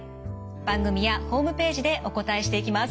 番組やホームページでお答えしていきます。